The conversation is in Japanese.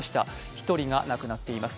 １人が亡くなっています。